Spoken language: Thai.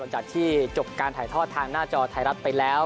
จากที่จบการถ่ายทอดทางหน้าจอไทยรัฐไปแล้ว